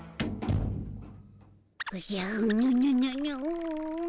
おじゃうぬぬぬぬん。